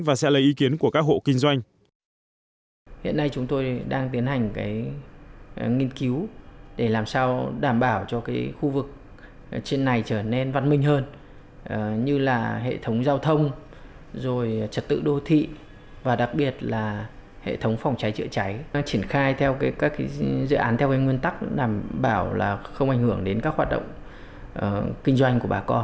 và sẽ lấy ý kiến của các hộ kinh doanh